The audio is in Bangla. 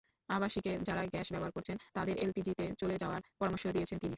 আবাসিকে যাঁরা গ্যাস ব্যবহার করছেন, তাঁদের এলপিজিতে চলে যাওয়ার পরামর্শ দিয়েছেন তিনি।